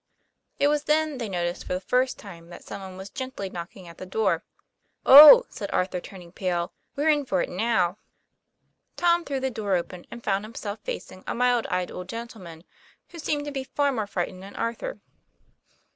It was then they noticed for the first time that some one was gently knocking at the door. " Oh !' said Arthur, turning pale, " we're in for it now." Tom threw the door open and found himself facing a mild eyed old gentleman, who seemed to be far more frightened than Arthur.